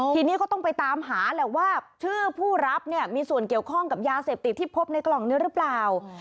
ทีนี้ก็ต้องไปตามหาแหละว่าชื่อผู้รับเนี่ยมีส่วนเกี่ยวข้องกับยาเสพติดที่พบในกล่องนี้หรือเปล่า